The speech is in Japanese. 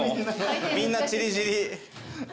みんな散り散り。